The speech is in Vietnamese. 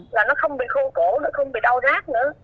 là nó không bị khô cổ nó không bị đau rác nữa